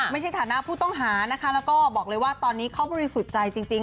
ในฐานะผู้ต้องหานะคะแล้วก็บอกเลยว่าตอนนี้เขาบริสุทธิ์ใจจริง